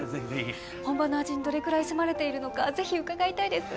本場の味にどれくらい迫れているのかぜひ伺いたいです。